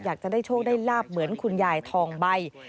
อยากจะได้โชคได้ลาบเหมือนคุณยายทองใบ